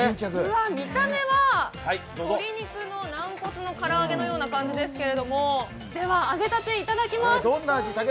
見た目は鶏肉の軟骨の唐揚げのような感じですけど揚げたて、いただきます。